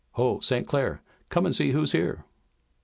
Ho, St. Clair, come and see who's here!"